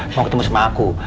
mau ketemu sama aku